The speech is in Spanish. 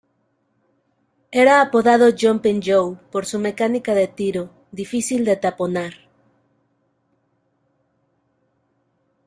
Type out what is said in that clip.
Era apodado "Jumping Joe" por su mecánica de tiro, difícil de taponar.